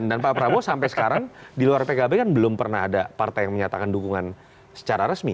dan pak prabowo sampai sekarang di luar pkb kan belum pernah ada partai yang menyatakan dukungan secara resmi